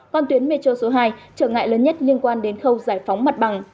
còn tuyến metro số hai trở ngại lớn nhất liên quan đến khâu giải phóng mặt bằng